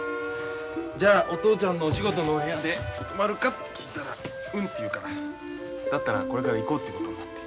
じゃあお父ちゃんのお仕事のお部屋で泊まるかって聞いたらうんって言うからだったらこれから行こうっていうことになって。